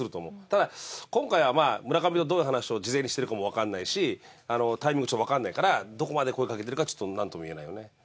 ただ今回は村上とどういう話を事前にしてるかもわかんないしタイミングもわかんないからどこまで声かけてるかはちょっとなんとも言えないよね。